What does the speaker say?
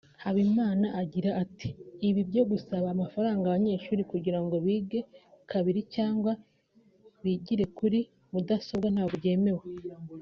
Habimana agira ati ”Ibi byo gusaba amafaranga abanyeshuri kugira ngo bige kabiri cyangwa bigire kuri mudasobwa ntabwo byemewe